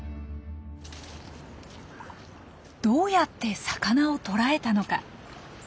どうやって魚を捕らえたのか。